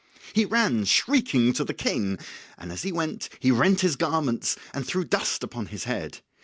He ran shrieking to the King, and as he went he rent his garments and threw dust upon his head.